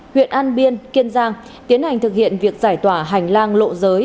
huyện an biên kiên giang tiến hành thực hiện việc giải tỏa hành lang lộ giới